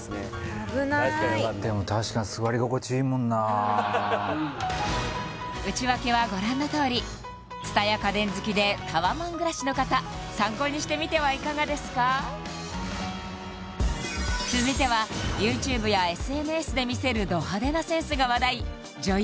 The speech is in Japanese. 危ないでも確かに内訳はご覧のとおり蔦屋家電好きでタワマン暮らしの方参考にしてみてはいかがですか続いてはＹｏｕＴｕｂｅやＳＮＳで見せる女優